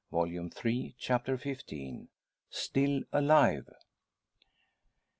Volume Three, Chapter XV. STILL ALIVE.